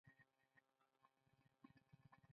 د نفرت پر ځای سالمو اخلاقي مفاهیمو ته پام وکړي.